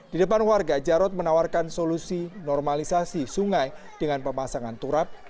di depan warga jarod menawarkan solusi normalisasi sungai dengan pemasangan turap